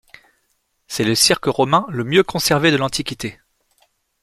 C'est le cirque romain le mieux conservé de l'Antiquité.